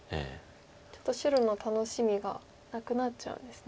ちょっと白の楽しみがなくなっちゃうんですね。